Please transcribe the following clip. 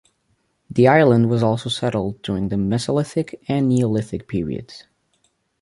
The island was also settled during the Mesolithic and Neolithic periods.